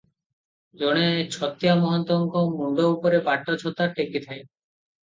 ଜଣେ ଛତିଆ ମହନ୍ତଙ୍କ ମୁଣ୍ଡ ଉପରେ ପାଟ ଛତା ଟେକିଥାଏ ।